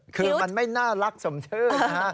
คือมันไม่น่ารักสมชื่อนะฮะ